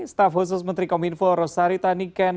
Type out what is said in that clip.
staf khusus menteri kominfo rosari taniken